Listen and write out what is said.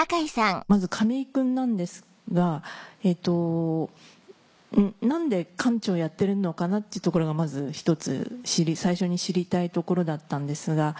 まず亀井君なんですが何で館長やってるのかなっていうところがまず１つ最初に知りたいところだったんですが。